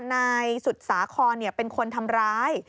นายสุสาคอนเนี่ยเป็นคนทำร้าย